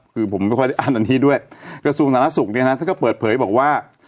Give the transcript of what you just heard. คือผมไม่ค่อยได้อั้นอันนี้ด้วยกระทรวงสาธารณสุขเนี่ยนะท่านก็เปิดเผยบอกว่า